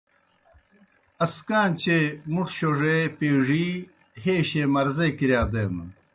اسکان٘چیئے مُٹھوْ شوڙے، پیڙِی ہَیشے مرضے کِرِیا دینَن۔